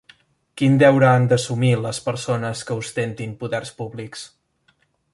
Quin deure han d'assumir les persones que ostentin poders públics?